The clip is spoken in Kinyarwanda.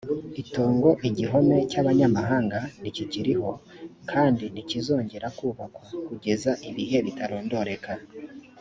itongo igihome cy abanyamahanga ntikikiriho kandi ntikizongera kubakwa kugeza ibihe bitarondoreka